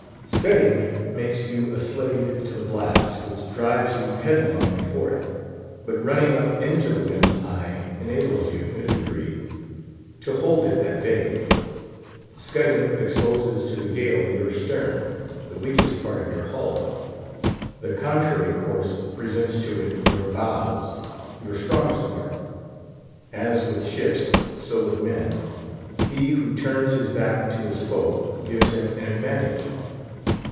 Scudding makes you a slave to the blast, which drives you headlong before it; but running up into the wind's eye enables you, in a degree, to hold it at bay. Scudding exposes to the gale your stern, the weakest part of your hull; the contrary course presents to it your bows, your strongest part. As with ships, so with men; he who turns his back to his foe gives him an advantage.